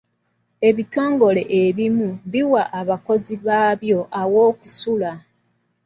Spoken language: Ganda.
Ebitongole ebimu biwa abakozi baabyo aw'okusula.